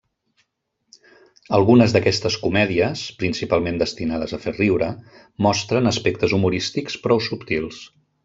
Algunes d'aquestes comèdies, principalment destinades a fer riure, mostren aspectes humorístics prou subtils.